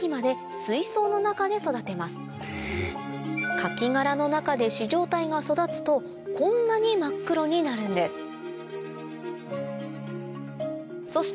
カキ殻の中で糸状体が育つとこんなに真っ黒になるんですそして